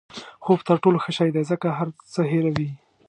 خوب تر ټولو ښه شی دی ځکه هر څه هیروي.